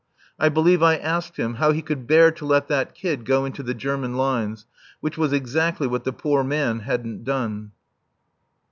I believe I asked him how he could bear to let that kid go into the German lines, which was exactly what the poor man hadn't done.